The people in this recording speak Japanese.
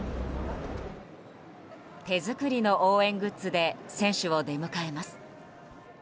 手作りの応援グッズで選手を出迎えます。